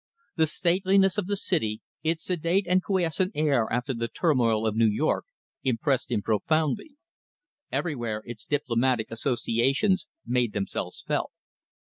The stateliness of the city, its sedate and quiescent air after the turmoil of New York, impressed him profoundly. Everywhere its diplomatic associations made themselves felt.